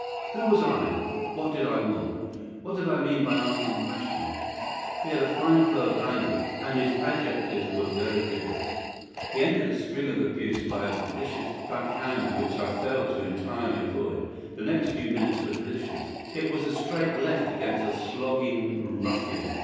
Who was I? What did I want? What did I mean by asking questions? He had a fine flow of language, and his adjectives were very vigorous. He ended a string of abuse by a vicious back hander which I failed to entirely avoid. The next few minutes were delicious. It was a straight left against a slogging ruffian.